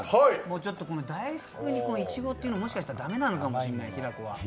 大福にいちごっていうの、もしかしたらだめなのかもしれない、平子は。